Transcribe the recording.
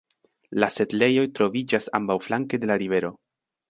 La setlejoj troviĝas ambaŭflanke de la rivero.